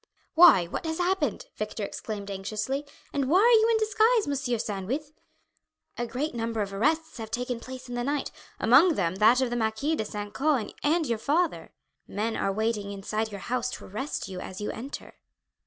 "Why, what has happened?" Victor exclaimed anxiously; "and why are you in disguise, Monsieur Sandwith?" "A great number of arrests have taken place in the night, among them that of the Marquis de St. Caux and your father. Men are waiting inside your house to arrest you as you enter."